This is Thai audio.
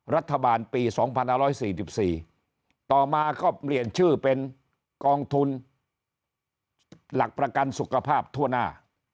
รัฐบาลปี๒๑๔๔ต่อมาก็เปลี่ยนชื่อเป็นกองทุนหลักประกันสุขภาพทั่วหน้า